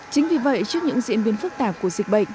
chính vì vậy trước những diễn biến phức tạp của dịch bệnh